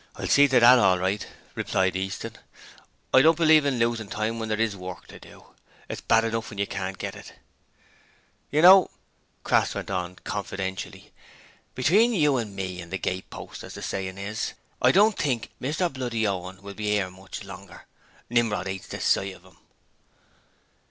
'I'll see to that all right,' replied Easton. 'I don't believe in losing time when there IS work to do. It's bad enough when you can't get it.' 'You know,' Crass went on, confidentially. 'Between me an' you an' the gatepost, as the sayin' is, I don't think Mr bloody Owen will be 'ere much longer. Nimrod 'ates the sight of 'im.'